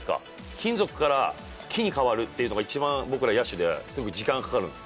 金属から木に変わるっていうのが一番僕ら野手ですごい時間かかるんです。